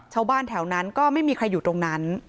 ชาวบ้านแถวนั้นก็ไม่มีใครอยู่ตรงนั้น